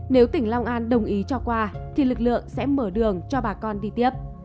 nếu tỉnh long an đồng ý cho qua thì lực lượng sẽ mở đường cho bà con đi tiếp